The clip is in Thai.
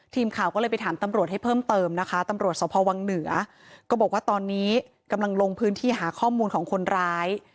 ทีมข่าวก็เลยไปถามตำรวจให้เพิ่มเติมนะคะตำรวจสภวังเหนือก็บอกว่าตอนนี้กำลังลงพื้นที่หาข้อมูลของคนร้าย